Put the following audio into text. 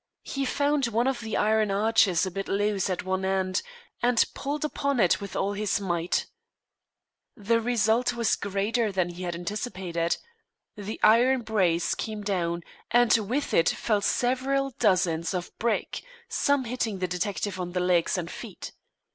He found one of the iron arches a bit loose at one end, and pulled upon it with all his might. The result was greater than he had anticipated. The iron brace came down, and with it fell several dozens of brick, some hitting the detective on the legs and feet.